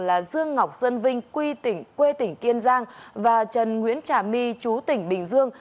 là dương ngọc dân vinh quê tỉnh kiên giang và trần nguyễn trả my chú tỉnh bình dương